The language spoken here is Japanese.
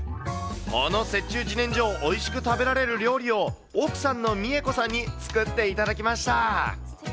この雪中じねんじょをおいしく食べられる料理を奥さんの三枝子さんに作っていただきました。